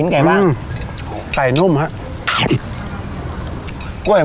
ข้าวผัดนี้เท่านั้น